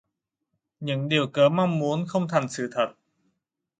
Những điểu kớ mong muốn không thành sự thật